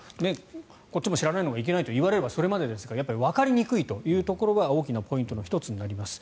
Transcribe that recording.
こっちも知らないのがいけないと言われればそれまでですがわかりにくいというのも大きなポイントの１つになります。